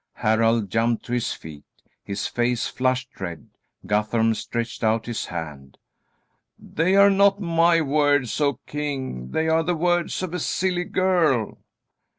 Harald jumped to his feet. His face flushed red. Guthorm stretched out his hand. "They are not my words, O King; they are the words of a silly girl."